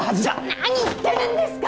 何言ってるんですか！